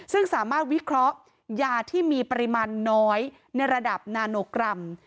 ซึ่งสามารถวิเคราะห์ยาที่มีปริมาณน้อยในระดับนาโนกรัม